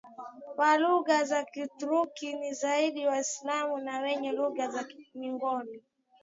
wa lugha za Kiturki ni zaidi Waislamu na wenye lugha za Kimongolia